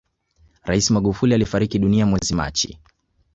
rais magufuli alifariki dunia mwezi machi